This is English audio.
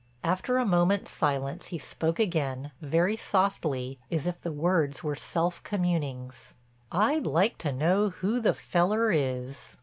After a moment's silence he spoke again, very softly, as if the words were self communings: "I'd like to know who the feller is."